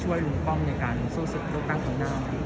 จะหาใครมาเติมเต็มช่วยลุงป้อมในการสู้สู้โรคตั้งของน้ำ